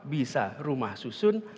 bisa rumah susun